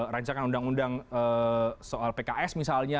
rancangan undang undang soal pks misalnya